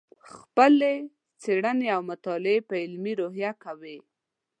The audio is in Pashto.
خپلې څېړنې او مطالعې په علمي روحیه کوې.